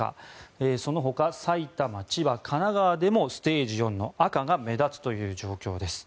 そのほか埼玉、千葉、神奈川でもステージ４の赤が目立つという状況です。